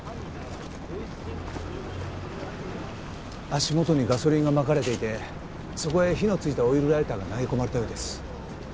足元にガソリンがまかれていてそこへ火の付いたオイルライターが投げ込まれたようです。